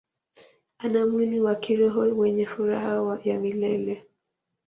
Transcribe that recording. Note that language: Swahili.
Ana mwili wa kiroho wenye furaha ya milele.